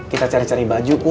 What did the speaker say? kita cari cari baju kum